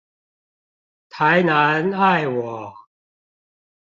台南愛我